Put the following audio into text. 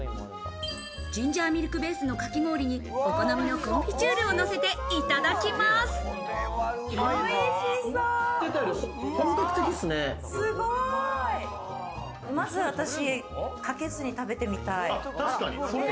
ジンジャーミルクベースのかき氷にこのコンフィチュールをのせておいしそう！